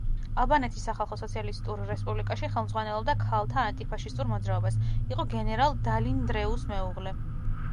ალბანეთის სახალხო სოციალისტურ რესპუბლიკაში ხელმძღვანელობდა ქალთა ანტიფაშისტურ მოძრაობას, იყო გენერალ დალი ნდრეუს მეუღლე.